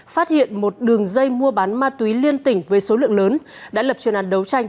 phát hiện một đường dây mua bán ma túy liên tỉnh với số lượng lớn đã lập truyền án đấu tranh